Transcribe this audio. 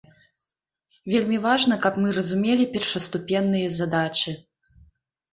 Вельмі важна, каб мы разумелі першаступенныя задачы.